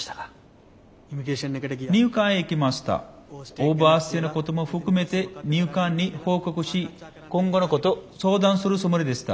オーバーステイのことも含めて入管に報告し今後のこと相談するつもりでした。